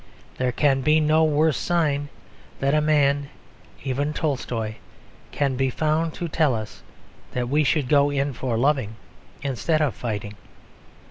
There can be no worse sign than that a man, even Tolstoi, can be found to tell us that we should go in for loving instead of fighting.